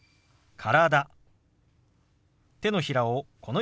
「体」。